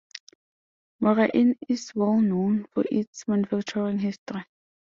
Moraine is well-known for its manufacturing history.